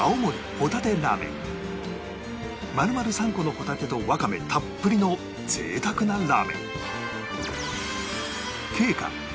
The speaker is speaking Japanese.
丸々３個のホタテとわかめたっぷりの贅沢なラーメン